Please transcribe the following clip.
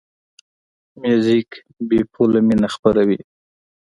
موزیک بېپوله مینه خپروي.